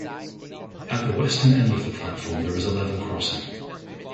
At the western end of the platform there is a level crossing.